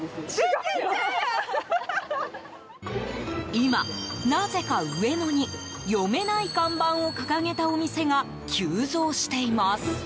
今、なぜか上野に読めない看板を掲げたお店が急増しています。